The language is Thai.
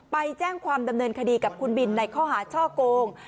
ไปแจ้งความดำเนินคดีกับคุณบินในข้อหาช่อโกง